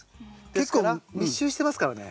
結構密集してますからね。